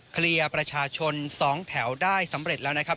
เคลียร์ประชาชน๒แถวได้สำเร็จแล้วนะครับ